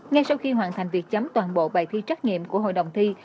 ngay sau khi hoàn thành việc chấm toàn bộ bài thi trắc nghiệm của hội đồng thi